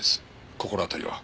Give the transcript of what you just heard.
心当たりは。